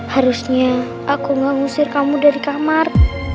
harusnya aku gak ngusir kamu dari kamar